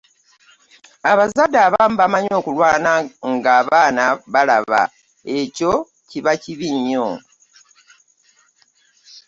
Abazadde abamu bamanyi okulwana ng'abaana balaba ekyo kiba kibi nnyo.